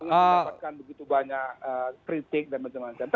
mendapatkan begitu banyak kritik dan macam macam